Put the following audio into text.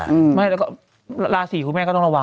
อเรนนี่คลายไม่แล้วก็ละสี่คุณแม่ก็ต้องระวัง